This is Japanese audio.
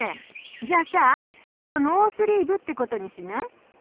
じゃあさいっそノースリーブってことにしない？